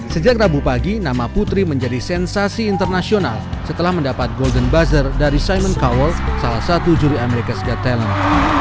sejak rabu pagi nama putri menjadi sensasi internasional setelah mendapat golden buzzer dari simon cowell salah satu juri ⁇ mericas ⁇ got talent